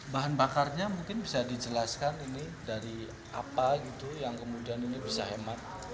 bahan bakarnya mungkin bisa dijelaskan ini dari apa gitu yang kemudian ini bisa hemat